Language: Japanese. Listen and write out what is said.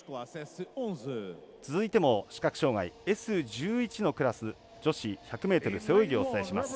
続いても視覚障がいＳ１１のクラス女子１００ｍ背泳ぎをお伝えします。